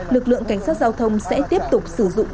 lực lượng cảnh sát giao thông sẽ tiếp tục sử dụng